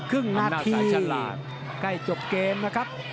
ครึ่งนาทีฉลาดใกล้จบเกมนะครับ